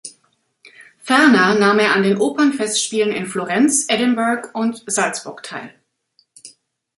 Ferner nahm er an den Opernfestspielen in Florenz, Edinburgh und Salzburg teil.